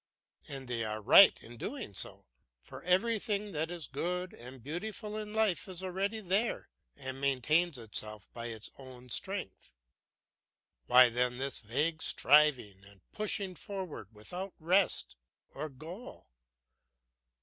And they are right in doing so; for everything that is good and beautiful in life is already there and maintains itself by its own strength. Why then this vague striving and pushing forward without rest or goal?